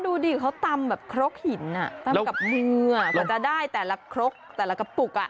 จะได้แต่แต่ละกระปุก